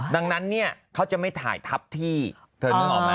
ดังนั้นเนี่ยเขาจะไม่ถ่ายทับที่เธอนึกออกไหม